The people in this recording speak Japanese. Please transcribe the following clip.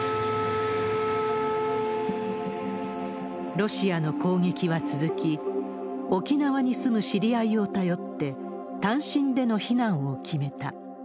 ロシアの攻撃は続き、沖縄に住む知り合いを頼って、単身での避難を決めた。